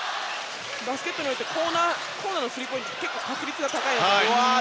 バスケットにおいてコーナーのスリーポイントは結構、確率が高いので。